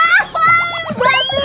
wah bantuin gue